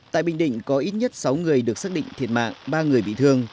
tại bình định có ít nhất sáu người được xác định thiệt mạng ba người bị thương